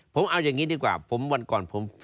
ผมเอาอย่างนี้ดีกว่าผมวันก่อนผม